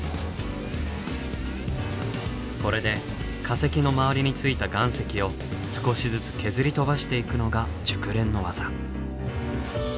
これで化石の周りについた岩石を少しずつ削り飛ばしていくのが熟練の技。